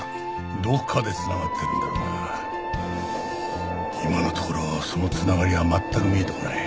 どこかでつながっているんだろうが今のところそのつながりは全く見えてこない。